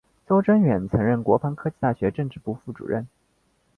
邹征远曾任国防科技大学政治部副主任。